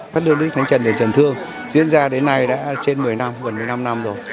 phát lương đức thánh trần đền trần thương diễn ra đến nay đã trên một mươi năm gần một mươi năm năm rồi